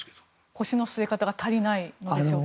腰の据え方が足りないのでしょうか。